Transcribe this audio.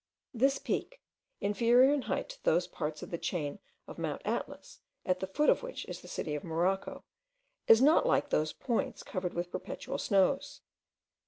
This peak, inferior in height to those parts of the chain of Mount Atlas at the foot of which is the city of Morocco, is not, like those points, covered with perpetual snows.